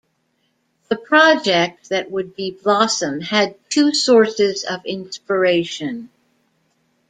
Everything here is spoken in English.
The project that would be "Blossom" had two sources of inspiration.